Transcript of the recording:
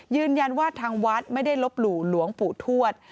ยืนยันว่าทางวัดไม่ได้ลบหลู่หลวงปู่ทวด